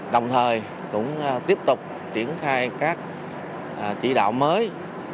đồng thời cũng tiếp tục triển khai các chỉ đạo mới